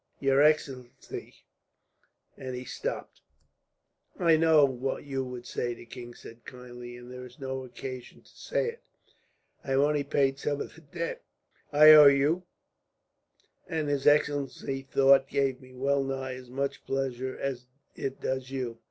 "Your excellency " and he stopped. "I know what you would say," the king said kindly, "and there is no occasion to say it. I have only paid some of the debt I owe you, and his excellency's thought gave me well nigh as much pleasure as it does you.